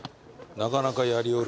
なかなかやりよる。